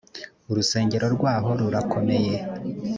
urusengero rwaho rurakomeye.